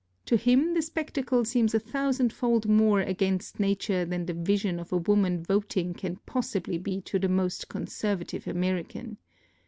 To him the spectacle seems a thousandfold more against nature than the vision of a woman voting can possibly be to the most conservative American.